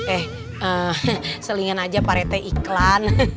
eh selingan aja pak rete iklan